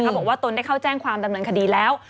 บอกว่าตนได้เข้าแจ้งความดำเนินคดีแล้ว